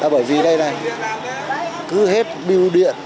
bởi vì đây này cứ hết biêu điện